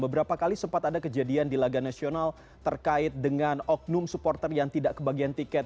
beberapa kali sempat ada kejadian di laga nasional terkait dengan oknum supporter yang tidak kebagian tiket